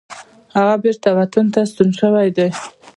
هغه بیرته وطن ته ستون شوی دی.